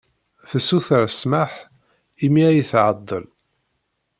Tessuter ssmaḥ imi ay tɛeḍḍel.